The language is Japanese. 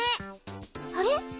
あれ？